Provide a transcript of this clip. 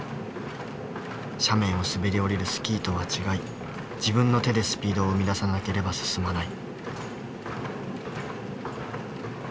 斜面を滑り降りるスキーとは違い自分の手でスピードを生み出さなければ進まない。